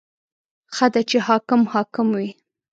• ښه ده چې حاکم حاکم وي.